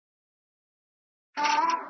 په ویالو کي یې د وینو سېل بهیږي .